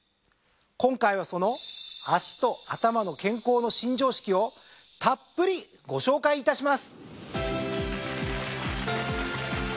今回はその脚と頭の健康の新常識をたっぷりご紹介いたします。